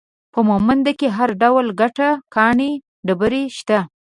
په مومند کې هر ډول ګټه ، کاڼي ، ډبره، شته